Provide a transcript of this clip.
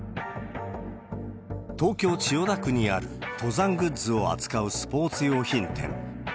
東京・千代田区にある登山グッズを扱うスポーツ用品店。